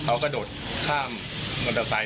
เขากระโดดข้ามมอเตอร์ไซค